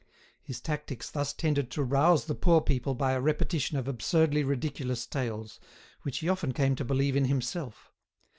His tactics thus tended to rouse the poor people by a repetition of absurdly ridiculous tales, which he often came to believe in himself.